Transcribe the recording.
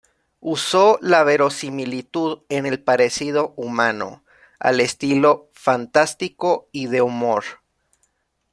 Usó la verosimilitud en el parecido humano, al estilo fantástico y de humor.